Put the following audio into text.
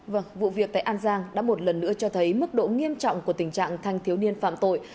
vâng vụ việc tại an giang đã một lần nữa cho thấy mức độ nghiêm trọng của tình trạng thanh thiếu niên phạm tội